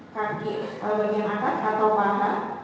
kaki bagian atas atau paha